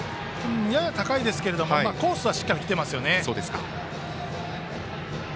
やや高いですがコースはしっかり来ていますね。